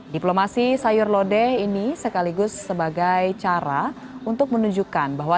diplomasi sayur lodeh ini sekaligus sebagai cara untuk menunjukkan bahwa